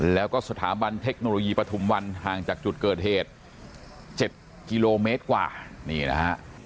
แล้วก็สถาบันเทคโนโลยีปฐุมวันห่างจากจุดเกิดเหตุ๗กิโลเมตรกว่านี่นะฮะ